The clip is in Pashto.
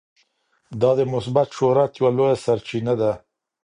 دا د مثبت شهرت یوه لویه سرچینه ده.